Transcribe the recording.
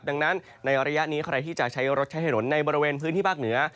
ดังนั้นในระยะนี้ใครที่จะใช้รถใช้ถนนในบริเวณพื้นที่ภาคเหนือ